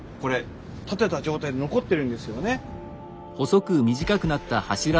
建てた状態で残ってるんですよね。